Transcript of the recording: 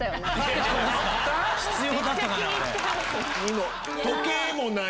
必要だったかな？